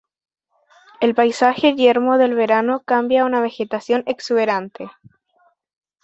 El paisaje yermo del verano cambia a una vegetación exuberante.